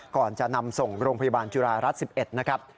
ก่อนจะนำส่งโรงพยาบาลจุฬารัฐ๑๑นะครับ